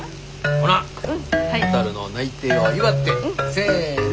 ほなほたるの内定を祝ってせの！